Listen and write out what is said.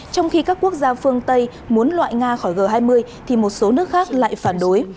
trong khi các quốc gia phương tây muốn loại nga khỏi g hai mươi thì một số nước khác lại phản đối